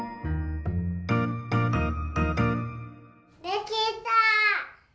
できた！